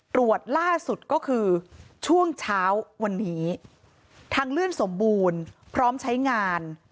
ตรวจล่าสุดก็คือช่วงเช้าวันนี้ทางเลื่อนสมบูรณ์พร้อมใช้งาน